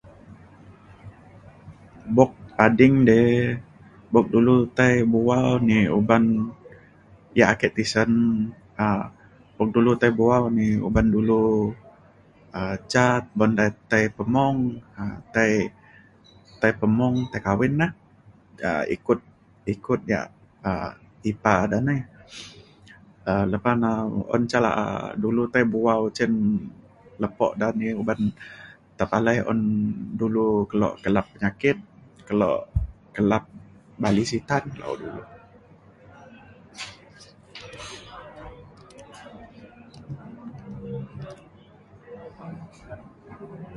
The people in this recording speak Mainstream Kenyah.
buk ading dei buk dulu tai bu’au ni uban yak ake tisen um buk dulu tai bu’au ni uban dulu um ca ban da tai pemung um tai pemung tai kawin lah um ikut ikut yak um ipar de nai. um lepa na un ca la’a dulu tai bu’au cin lepo da ni uban tepalai un dulu kelo kelap penyakit kelo kelap bali sitan. [unintelligible]